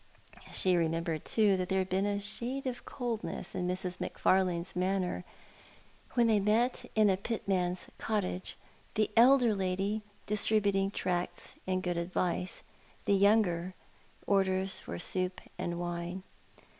She remembered too that there had been a shade of coldness in Mrs. Macfarlane's manner when they met in a pitman's cottage, the elder lady distributing tracts and good advice, the younger orders for soup and wine.